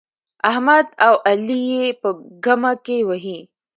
احمد او علي يې په ګمه کې وهي.